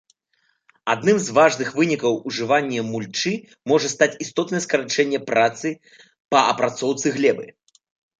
Адным з важных вынікаў ужывання мульчы можа стаць істотнае скарачэнне працы па апрацоўцы глебы.